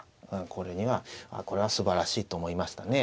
これにはああこれはすばらしいと思いましたね。